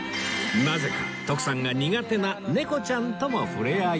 なぜか徳さんが苦手な猫ちゃんともふれあい